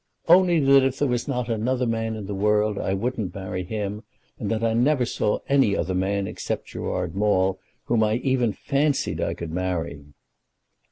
"Only that if there was not another man in the world I wouldn't marry him, and that I never saw any other man except Gerard Maule whom I even fancied I could marry."